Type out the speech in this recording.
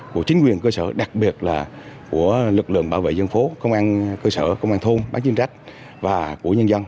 của chính quyền cơ sở đặc biệt là của lực lượng bảo vệ dân phố công an cơ sở công an thôn bán chính trách và của nhân dân